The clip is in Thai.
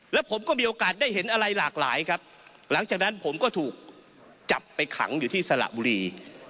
แล้วผมก็มีโอกาสได้เห็นอะไรหลากหลายครับหลังจากนั้นผมก็ถูกจับไปขังอยู่ที่สระบุรี